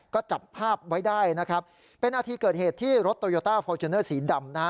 ก็จับภาพไว้ได้นะครับเป็นนาทีเกิดเหตุที่รถโตโยต้าฟอร์จูเนอร์สีดำนะฮะ